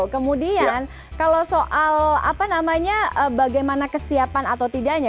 kemudian kalau soal apa namanya bagaimana kesiapan atau tidaknya